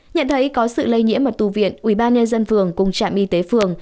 nhận thấy có sự lây nhiễm ở tu viện ubnd dân phường cùng trạm y tế phường